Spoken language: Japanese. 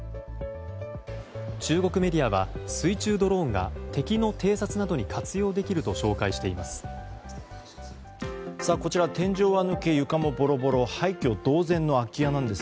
中国メディアは水中ドローンが敵の偵察などに活用できると紹介しています。